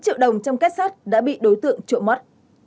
hai trăm một mươi tám triệu đồng trong két sắt đã bị đối tượng trộm mất